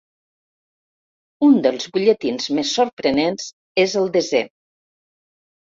Un dels butlletins més sorprenents és el desè.